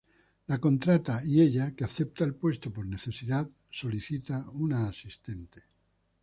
La contrata y ella, que acepta el puesto por necesidad, solicita una asistente.